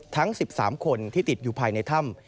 ทั้ง๑๓คนที่ติดอยู่ภายในถ้ำ